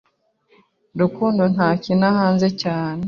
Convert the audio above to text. Rukundo ntakina hanze cyane.